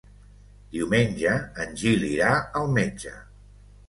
Diumenge en Gil irà al metge.